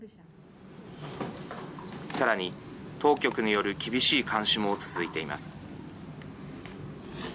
さらに、当局による厳しい監視も続いています。